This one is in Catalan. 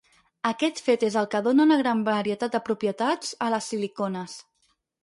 Aquest fet és el que dóna una gran varietat de propietats a les silicones.